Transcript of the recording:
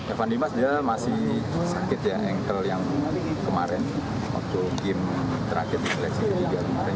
evan dimas dia masih sakit ya engkel yang kemarin waktu game terakhir seleksi ke tiga kemarin